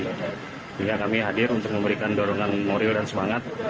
sehingga kami hadir untuk memberikan dorongan moral dan semangat